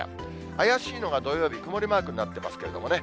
怪しいのが土曜日、曇りマークになってますけれどもね。